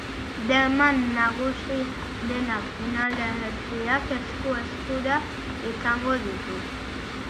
Deman nagusi denak finalerdiak esku-eskura izango ditu.